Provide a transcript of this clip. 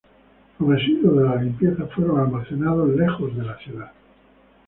Los residuos de la limpieza fueron almacenados lejos de la ciudad.